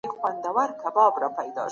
په نړۍ کي د جنګونو مخه ونیسئ.